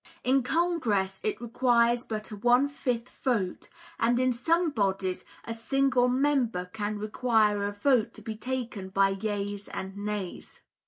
In Congress it requires but a one fifth vote, and in some bodies a single member can require a vote to be taken by yeas and nays.